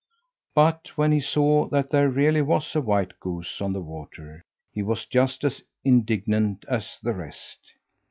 But when he saw that there really was a white goose on the water, he was just as indignant as the rest.